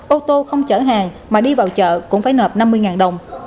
ô tô không chở hàng mà đi vào chợ cũng phải nợp năm mươi đồng